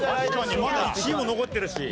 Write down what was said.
まだ１位も残ってるし。